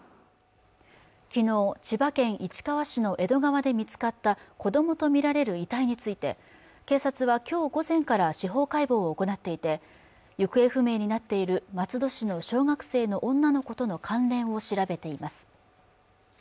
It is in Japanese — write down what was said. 昨日千葉県市川市の江戸川で見つかった子どもと見られる遺体について警察はきょう午前から司法解剖を行っていて行方不明になっている松戸市の小学生の女の子との関連を調べています